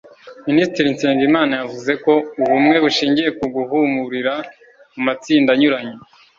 Minisitiri Nsengimana yanavuze ko ubumwe bushingiye ku guhurira mu matsinda anyuranye